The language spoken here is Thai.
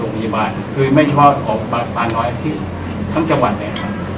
โรงพยาบาลคือไม่เฉพาะของประสบานรอยที่ทั้งจังหวัดเนี่ยครับ